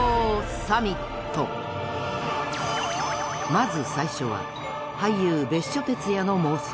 まず最初は俳優別所哲也の妄想。